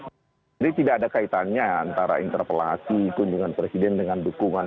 jadi tidak ada kaitannya antara interpelasi kunjungan presiden dengan dukungan